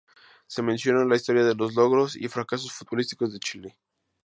Se menciona la historia de los logros y fracasos futbolísticos de Chile.